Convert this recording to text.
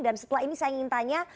dan setelah ini saya ingin tanya